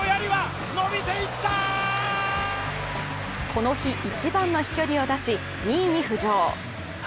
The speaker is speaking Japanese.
この日一番の飛距離を出し、２位に浮上。